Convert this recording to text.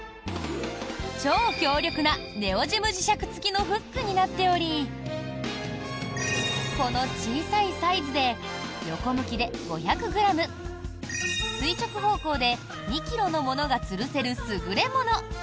超強力なネオジム磁石付きのフックになっておりこの小さいサイズで横向きで５００ｇ垂直方向で２ｋｇのものがつるせる優れもの。